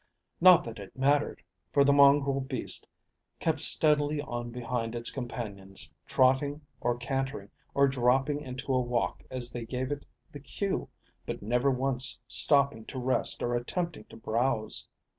Not that it mattered, for the mongrel beast kept steadily on behind its companions, trotting or cantering or dropping into a walk as they gave it the cue, but never once stopping to rest or attempting to browse.